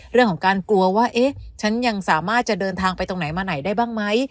เรื่องของการกลัวว่าเอ๊ะฉันยังสามารถจะเดินทางไปตรงไหนมาไหนได้บ้างไหม